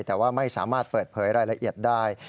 แต่ว่าไม่สามารถเปิดเผยรายละเอียดได้